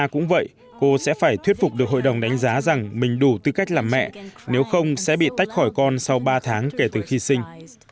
cũng vậy cô sẽ phải thuyết phục được hội đồng đánh giá rằng mình đủ tư cách làm mẹ nếu không sẽ bị tách khỏi con sau ba tháng kể từ khi sinh